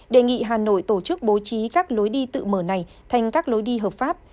đề nghị hà nội tổ chức bố trí các lối đi tự mở này thành các lối đi hợp pháp